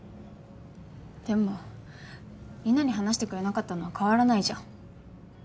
でもリナに話してくれなかったのは変わらないじゃん。